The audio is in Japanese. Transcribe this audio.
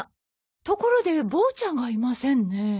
ところでボーちゃんがいませんね。